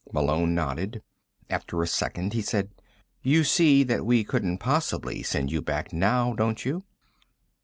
Malone nodded. After a second he said: "You see that we couldn't possibly send you back now, don't you?"